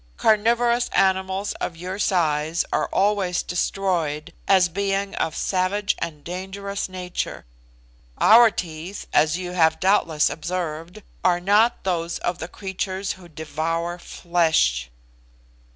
Carnivorous animals of your size are always destroyed, as being of savage and dangerous nature. Our teeth, as you have doubtless observed,* are not those of the creatures who devour flesh."